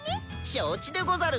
承知でござる！